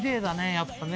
やっぱね